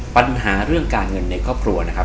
ปัญหาเรื่องการเงินในครอบครัวนะครับ